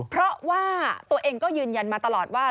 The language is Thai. เพราะว่าตัวเองก็ยืนยันมาตลอดว่า